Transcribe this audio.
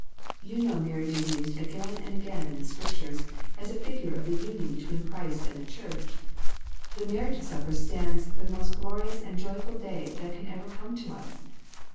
You know marriage is used again and again in the Scriptures as a figure of 1/4 LESSONS. the union between Christ and the church. The marriage supper stands for the most glorious and joyful day that can ever come to us.